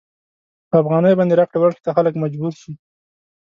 په افغانیو باندې راکړې ورکړې ته خلک مجبور شي.